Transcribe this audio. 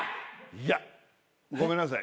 いやごめんなさい。